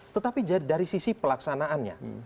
tetapi dari sisi pelaksanaannya